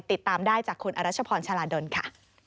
ติดตามได้จากคุณอรัชพรชาลาดลค่ะ